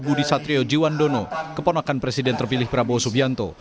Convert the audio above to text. budi satrio jiwandono keponakan presiden terpilih prabowo subianto